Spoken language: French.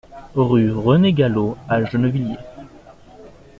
Rue Renée Gallot à Gennevilliers